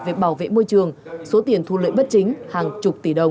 về bảo vệ môi trường số tiền thu lợi bất chính hàng chục tỷ đồng